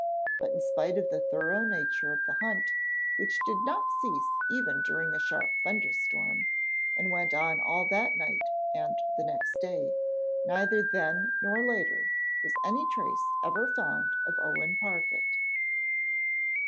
But in spite of the thorough nature of the hunt, which did not cease even during a sharp thunderstorm, and went on all that night and the next day, neither then nor later was any trace ever found of Owen Parfitt.